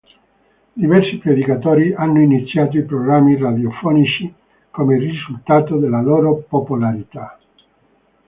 Diversi predicatori hanno iniziato i programmi radiofonici come risultato della loro popolarità.